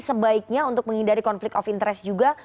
sebaiknya untuk menghindari konflik of interest juga